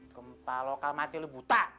gempa lokal mati itu buta